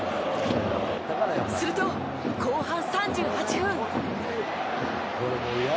すると、後半３８分。